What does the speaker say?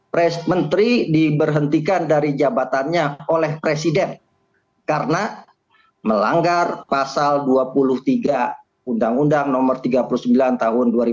pres menteri diberhentikan dari jabatannya oleh presiden karena melanggar pasal dua puluh tiga undang undang no tiga puluh sembilan tahun dua ribu dua